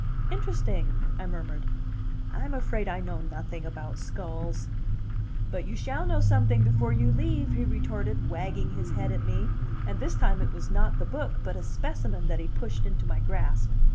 "Interesting," I murmured. "I'm afraid I know nothing about skulls." "But you shall know someding before you leave," he retorted, wagging his head at me; and this time it was not the book, but a specimen, that he pushed into my grasp.